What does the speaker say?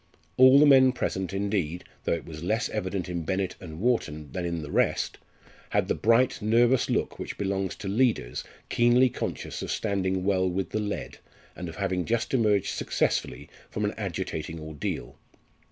All the men present indeed though it was less evident in Bennett and Wharton than in the rest had the bright nervous look which belongs to leaders keenly conscious of standing well with the led, and of having just emerged successfully from an agitating ordeal.